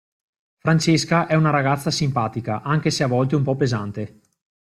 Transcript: Francesca è una ragazza simpatica, anche se a volte un po' pesante.